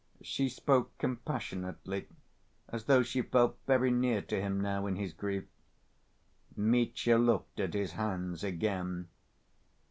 She spoke compassionately, as though she felt very near to him now in his grief. Mitya looked at his hands again.